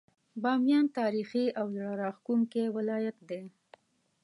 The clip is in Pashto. باميان تاريخي او زړه راښکونکی ولايت دی.